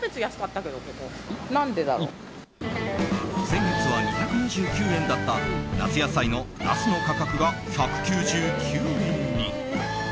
先月は２２９円だった夏野菜のナスの価格が１９９円に。